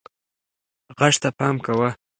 غږ ته پام کوه.